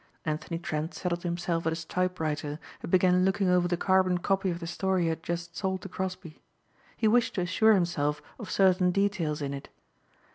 Anthony Trent settled himself at his typewriter and began looking over the carbon copy of the story he had just sold to Crosbeigh. He wished to assure himself of certain details in it.